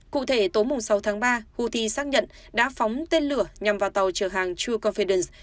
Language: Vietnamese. cụ thể tối sáu tháng ba houthi xác nhận đã phóng tên lửa nhằm vào tàu chở hàng troe confidence